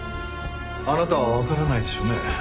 あなたはわからないでしょうね。